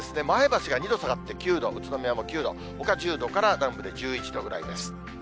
前橋が２度下がって９度、宇都宮も９度、ほか１０度から南部で１１度ぐらいです。